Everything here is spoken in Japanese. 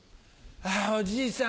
おじいさん